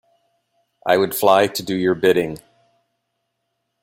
I would fly to do your bidding.